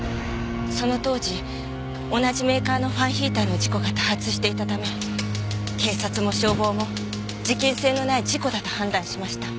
その当時同じメーカーのファンヒーターの事故が多発していたため警察も消防も事件性のない事故だと判断しました。